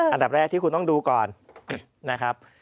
อันดับแรกที่คุณต้องดูก่อนนะครับ